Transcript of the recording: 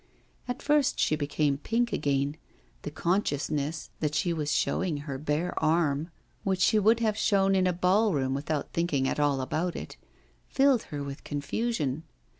At first she became pink again; the consciousness that she was showing her bare arm which she would have shown in a ball room without thinking at all about it filled her with confusion.